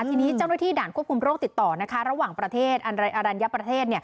ทีนี้เจ้าหน้าที่ด่านควบคุมโรคติดต่อระหว่างประเทศอรัญญประเทศ